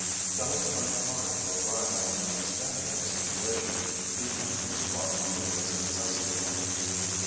Though I tried hard to arrive at an understanding of the situation, the attempt was far from being a successful one.